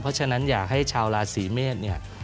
เพราะฉะนั้นอยากให้ชาวราศีเมฆ